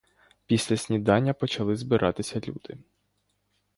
Після снідання почали збиратися люди.